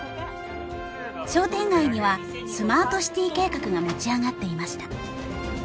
商店街にはスマートシティ計画が持ち上がっていました。